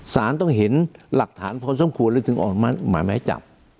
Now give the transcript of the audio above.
สารต้องเห็นหลักฐานพอสมควรเลยถึงออกหมายไม้จับ